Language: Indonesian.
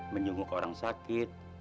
menyunggu orang sakit